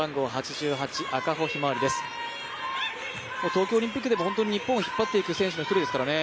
東京オリンピックでも日本を引っ張っていってる選手でしたからね。